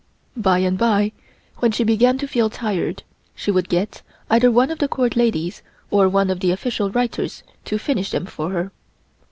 By and bye, when she began to feel tired, she would get either one of the Court ladies or one of the official writers to finish them for her.